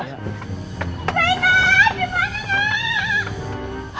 rena dimana kak